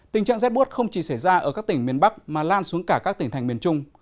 tình trạng rét bút không chỉ xảy ra ở các tỉnh miền bắc mà lan xuống cả các tỉnh thành miền trung